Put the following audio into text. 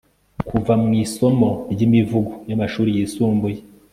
kuva mu isomo ry'imivugo y'amashuri yisumbuye